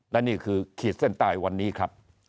และนี่คือขีดเส้นใต้วันนี้ครับ